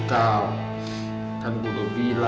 kalian juga pak ongar pak kaya